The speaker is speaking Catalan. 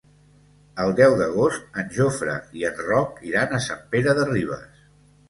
El deu d'agost en Jofre i en Roc iran a Sant Pere de Ribes.